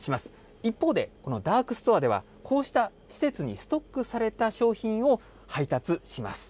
一方で、このダークストアでは、こうした施設にストックされた商品を配達します。